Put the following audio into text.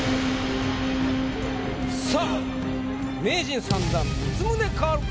さぁ名人３段光宗薫か？